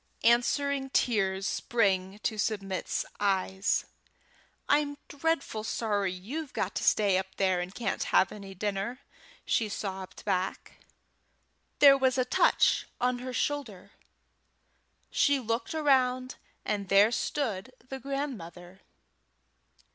Answering tears sprang to Submit's eyes. "I'm dreadful sorry you've got to stay up there, and can't have any dinner," she sobbed back. There was a touch on her shoulder. She looked around and there stood the grandmother.